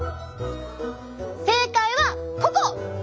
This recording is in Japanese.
正解はここ！